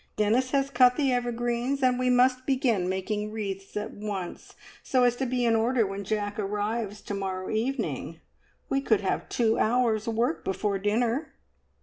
Dennis has cut the evergreens, and we must begin making wreaths at once, so as to be in order when Jack arrives to morrow evening. We could have two hours' work before dinner."